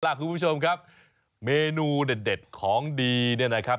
คุณผู้ชมครับเมนูเด็ดของดีเนี่ยนะครับ